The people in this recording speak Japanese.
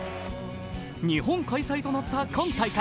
日本開催となった今大会。